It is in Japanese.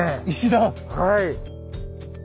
はい。